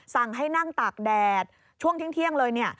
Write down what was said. สั่งให้นั่งตากแดดช่วงเที่ยงเลย